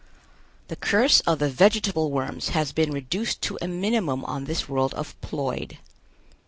The curse of the vegetable worms has been reduced to a minimum on this world of Ploid.